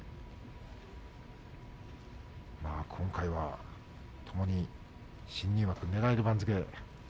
今回はともに新入幕をねらえる番付。